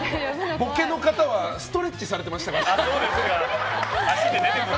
ボケの方はストレッチされてましたからね。